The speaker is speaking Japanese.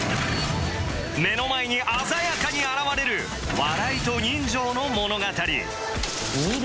目の前に鮮やかに現れる笑いと人情の物語見る